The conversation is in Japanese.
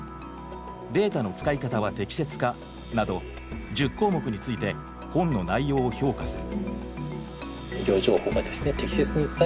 「データの使い方は適切か」など１０項目について本の内容を評価する。